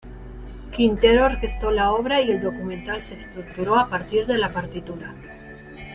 Quintero orquestó la obra y el documental se estructuró a partir de la partitura.